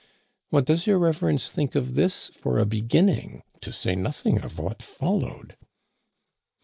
What does your reverence think of this for a beginning, to say nothing of what followed